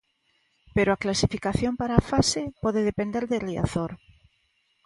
Pero a clasificación para a fase pode depender de Riazor.